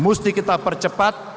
mesti kita percepat